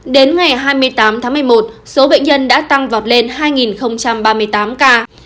đến ngày hai mươi tám tháng một mươi một số bệnh nhân đã tăng vọt lên hai ba mươi tám ca